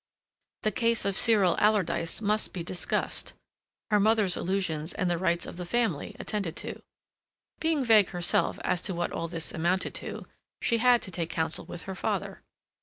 The case of Cyril Alardyce must be discussed, her mother's illusions and the rights of the family attended to. Being vague herself as to what all this amounted to, she had to take counsel with her father.